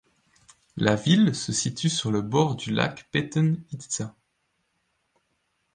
La ville se situe sur le bord du Lac Petén Itzá.